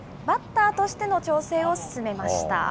バッターとしての調整を進めました。